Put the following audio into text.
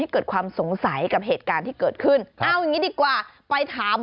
เดี๋ยวถึงเวลาเพื่อนกลับไปเอง